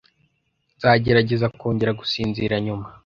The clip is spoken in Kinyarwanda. Nzagerageza kongera gusinzira nyuma.